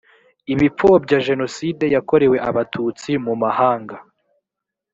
ibipfobya jenoside yakorewe abatutsi mu mahanga